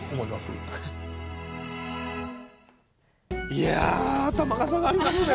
いや頭が下がりますね